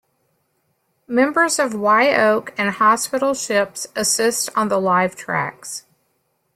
Members of Wye Oak and Hospital Ships assist on the live tracks.